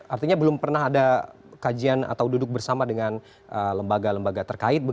artinya belum pernah ada kajian atau duduk bersama dengan lembaga lembaga terkait